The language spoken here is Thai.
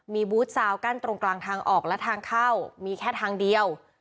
มีบูธซาวกั้นตรงกลางทางออกและทางเข้ามีแค่ทางเดียว